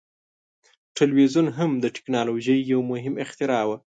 ټلویزیون هم د ټیکنالوژۍ یو مهم اختراع وه.